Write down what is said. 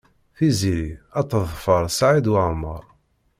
Tiziri ad teḍfer Saɛid Waɛmaṛ.